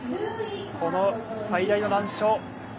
この最大の難所。